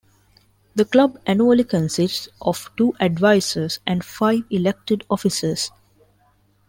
The club annually consists of two advisers and five elected officers.